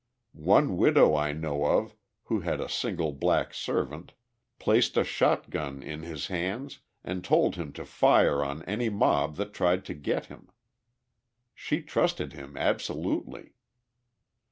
One widow I know of who had a single black servant, placed a shot gun in his hands and told him to fire on any mob that tried to get him. She trusted him absolutely.